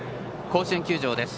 甲子園球場です。